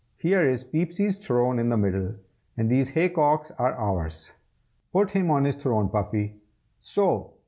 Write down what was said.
"Here is Peepsy's throne in the middle, and these hay cocks are ours. Put him on his throne, Puffy so!